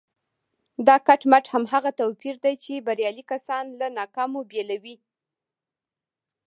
دا کټ مټ هماغه توپير دی چې بريالي کسان له ناکامو بېلوي.